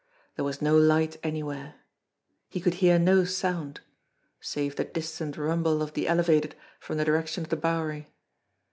There was no light anywhere. He could hear no sound save the distant rumble of the elevated from the direction of the Bowery.